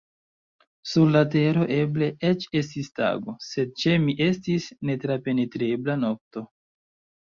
Sur la tero eble eĉ estis tago, sed ĉe mi estis netrapenetrebla nokto.